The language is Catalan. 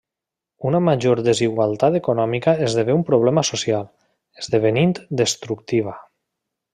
Una major desigualtat econòmica esdevé un problema social, esdevenint destructiva.